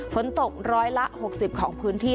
ฝนตกร้อยละ๖๐ของพื้นที่